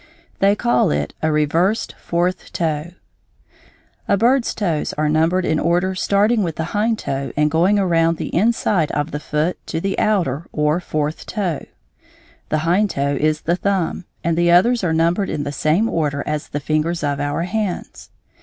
They call it a reversed fourth toe. A bird's toes are numbered in order starting with the hind toe and going around the inside of the foot to the outer or fourth toe. The hind toe is the thumb, and the others are numbered in the same order as the fingers of our hands.